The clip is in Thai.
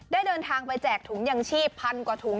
เดินทางไปแจกถุงยังชีพพันกว่าถุง